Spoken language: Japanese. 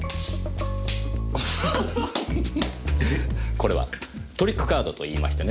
これはトリックカードと言いましてね